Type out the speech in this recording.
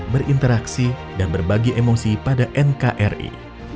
berinteraksi dan berbagi emosi pada nkri